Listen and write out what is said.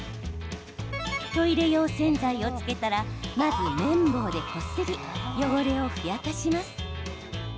トイレ用洗剤をつけたらまず綿棒でこすり汚れをふやかします。